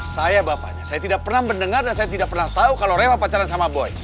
saya bapaknya saya tidak pernah mendengar dan saya tidak pernah tahu kalau rewa pacaran sama boy